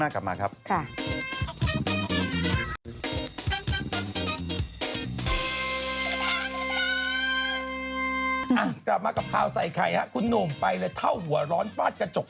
กลับมากับเภาวิทยาวิทยาป้ายไข่ครับคุณหนูไปเลยเท่าหัวร้อนป้าดกระจก